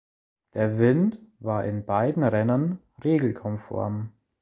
Der Wind war in beiden Rennen regelkonform.